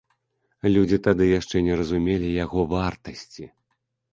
Людзі тады яшчэ не разумелі яго вартасці.